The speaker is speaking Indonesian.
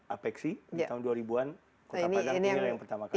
apexi di tahun dua ribu an kota padang inilah yang pertama kali